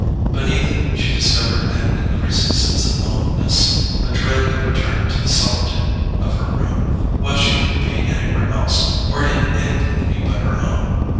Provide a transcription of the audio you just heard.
Beneath it she discovered an increasing sense of loneliness—a dread of returning to the solitude of her room, while she could be anywhere else, or in any company but her own.